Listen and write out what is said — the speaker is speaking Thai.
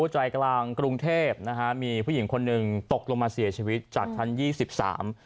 ใจกลางกรุงเทพนะฮะมีผู้หญิงคนหนึ่งตกลงมาเสียชีวิตจากชั้นยี่สิบสาม